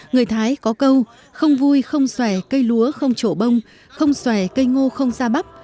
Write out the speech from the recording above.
người thái có câu không vui không xòe cây lúa không trổ bông không xòe cây ngô không ra bắp